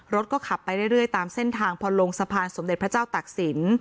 รถก็ขับไปเรื่อยตามเส้นทางพอลงสะพานสมเด็จพระเจ้าตักศิลป